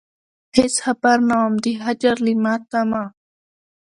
هېڅ خبر نه وم د هجر له ماتمه.